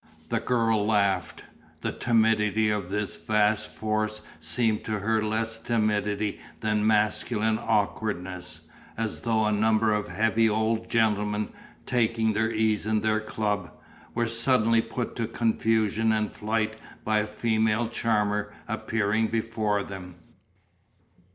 The girl laughed, the timidity of this vast force seemed to her less timidity than masculine awkwardness, as though a number of heavy old gentlemen, taking their ease in their club, were suddenly put to confusion and flight by a female charmer appearing before them.